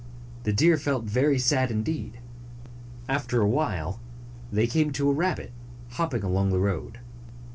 The deer felt very sad, indeed. After a while, they came to a rabbit, hopping along the road.